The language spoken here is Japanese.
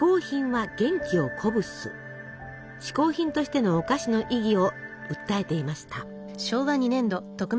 嗜好品としてのお菓子の意義を訴えていました。